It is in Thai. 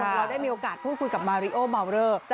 เราได้มีโอกาสพูดคุยกับมาริโอมาวเลอร์